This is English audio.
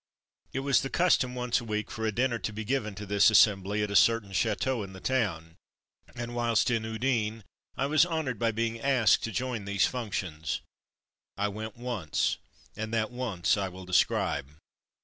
It was the custom once a week for a dinner to be given to this assembly, at a certain chateau in the town, and whilst in Udine I was honoured by being asked to join these 231 232 From Mud to Mufti functions. I went once, and that once I will describe.